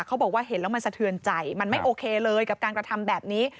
เขาบอกว่าเห็นแล้วมันสะเทือนใจมันไม่โอเคเลยกับการกระทำแบบนี้